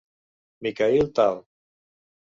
Mikhaïl Tal.